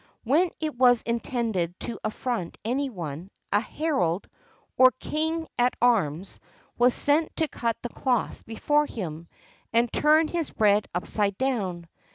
When it was intended to affront any one, a herald, or king at arms, was sent to cut the cloth before him, and turn his bread upside down.